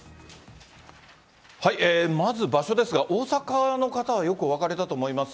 まず場所ですが、大阪の方はよくお分かりだと思います。